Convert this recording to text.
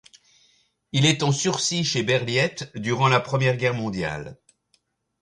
Il est en sursis chez Berliet durant la Première Guerre Mondiale.